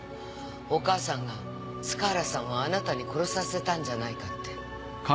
お母さんが塚原さんをあなたに殺させたんじゃないかって。